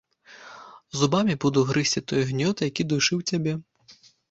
Зубамі буду грызці той гнёт, які душыў цябе!